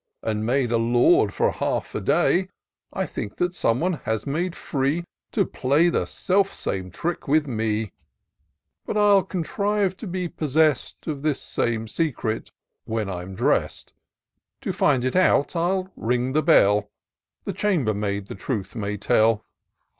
And made a lord for half a day ; I think that some one has made free To play the self same trick with me 70 TOUR OP DOCTOR SYNTAX But 1*11 contrive to be possest Of this same secret when I'm drest : To find it out— 111 ring the bell ; The chamber maid the truth may tell."